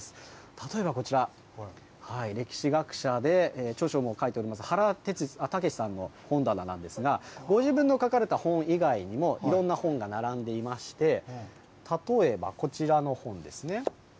例えばこちら、歴史学者で著書も書いております、原武史さんの本棚なんですが、ご自分の書かれた本以外にも、いろんな本が並んでいまして、例えばこちらの本ですね。